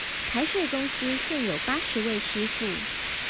台水公司現有八十位師傅